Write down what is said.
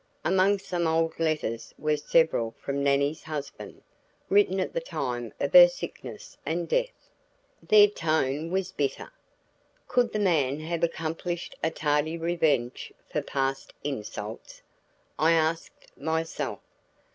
Among some old letters were several from Nannie's husband, written at the time of her sickness and death; their tone was bitter. Could the man have accomplished a tardy revenge for past insults? I asked myself.